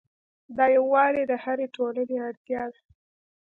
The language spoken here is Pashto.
دا یووالی د هرې ټولنې اړتیا ده.